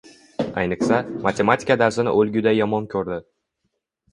Ayniqsa, matematika darsini o‘lguday yomon ko‘rdi.